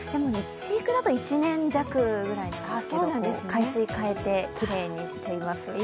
飼育だと１年弱ぐらいなんですけど海水変えて、きれいにしています。